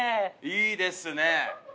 いいですね。